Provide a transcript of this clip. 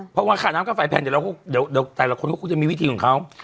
เพราะว่าค่าน้ำค่าไฟแพงเดี๋ยวแต่ละคนก็คงจะมีวิธีของเขา